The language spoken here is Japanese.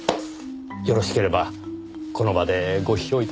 よろしければこの場でご批評頂けませんか？